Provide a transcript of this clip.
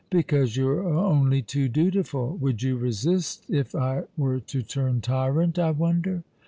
" Because you are only too dutiful. "Would you resist if I were to turn tyrant, I wonder